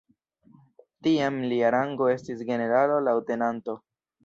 Tiam lia rango estis generalo-leŭtenanto.